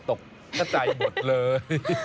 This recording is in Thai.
ตกใจหมดเลย